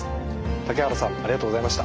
竹原さんありがとうございました。